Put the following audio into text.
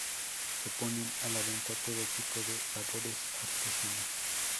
Se ponen a la venta todo tipo de labores artesanas.